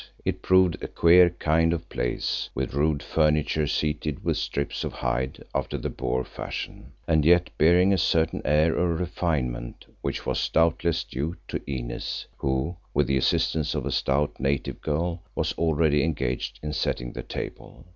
It proved a queer kind of place with rude furniture seated with strips of hide after the Boer fashion, and yet bearing a certain air of refinement which was doubtless due to Inez, who, with the assistance of a stout native girl, was already engaged in setting the table.